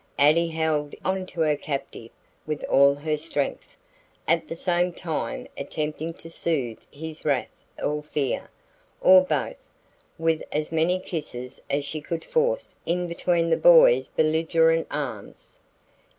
Addie held onto her captive with all her strength, at the same time attempting to soothe his wrath or fear, or both, with as many kisses as she could force in between the boy's belligerent arms.